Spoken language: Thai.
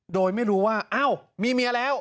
โดยไม่รู้ว่าอ้าวมีเมียแล้ว